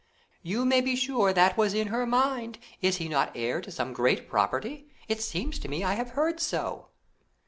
"You may be sure that was in her mind. Is he not heir to some great property? It seems to me I have heard so."